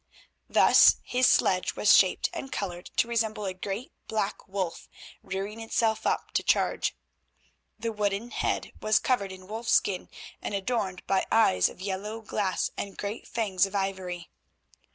Thus his sledge was shaped and coloured to resemble a great black wolf rearing itself up to charge. The wooden head was covered in wolf skin and adorned by eyes of yellow glass and great fangs of ivory.